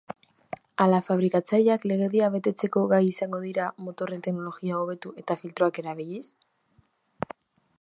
Ala fabrikatzaileak legedia betetzeko gai izango dira motorren teknologia hobetuz eta filtroak erabiliz?